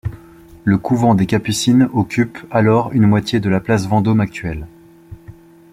Le couvent des Capucines occupe alors une moitié de la place Vendôme actuelle.